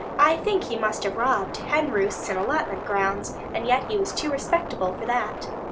I think he must have robbed hen roosts and allotment grounds; and yet he was too respectable for that.